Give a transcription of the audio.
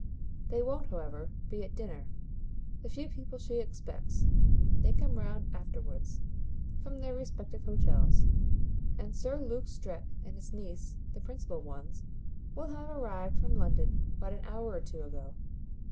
"They won't, however, be at dinner, the few people she expects they come round afterwards from their respective hotels; and Sir Luke Strett and his niece, the principal ones, will have arrived from London but an hour or two ago.